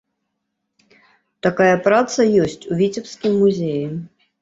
Такая праца ёсць у віцебскім музеі.